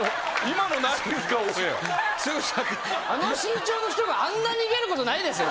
あの身長の人があんな逃げることないですよ。